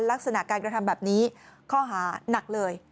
ลักษณะการกระทำแบบนี้ข้อหานักเลย